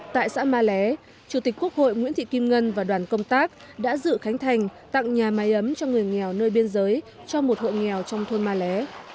tại xã ma lé chủ tịch quốc hội nguyễn thị kim ngân và đoàn công tác đã dự khánh thành tặng nhà máy ấm cho người nghèo nơi biên giới cho một hộ nghèo trong thôn ma lé